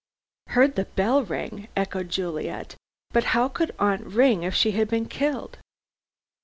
"Heard the bell ring?" echoed Juliet. "But how could aunt ring if she had been killed?"